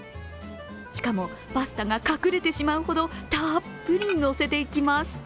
しかも、パスタが隠れてしまうほどたっぷり乗せていきます。